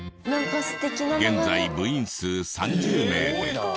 現在部員数３０名。